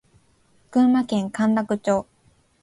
群馬県甘楽町